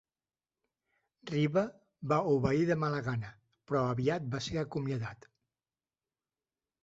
Ryba va obeir de mala gana, però aviat va ser acomiadat.